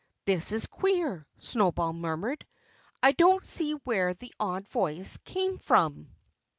"This is queer!" Snowball murmured. "I don't see where that odd voice came from!"